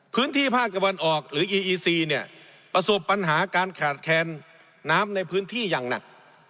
พื้นที่ภาคตะวันออกประสบปัญหาการขาดแคนน้ำในพื้นที่อย่างหนัก